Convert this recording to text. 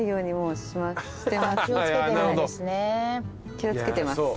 気を付けてます。